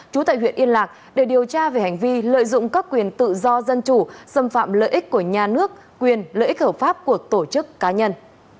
trú tại huyện yên lạc để điều tra về hành vi lợi dụng các quyền tự do dân chủ xâm phạm lợi ích của nhà nước quyền lợi ích hợp pháp của tổ chức cá nhân